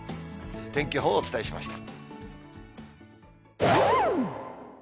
天気予報をお伝えしました。